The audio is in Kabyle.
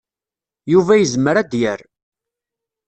Yuba yezmer ad d-yerr.